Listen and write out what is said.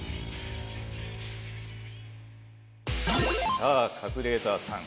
さあカズレーザーさん